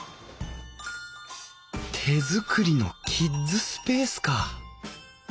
手作りのキッズスペースか。